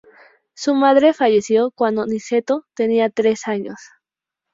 Su madre falleció cuando Niceto tenía tres años.